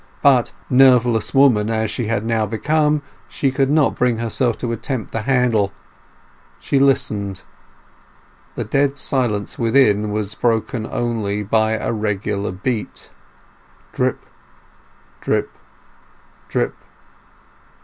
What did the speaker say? But, nerveless woman as she had now become, she could not bring herself to attempt the handle. She listened. The dead silence within was broken only by a regular beat. Drip, drip, drip.